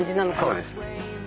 そうです。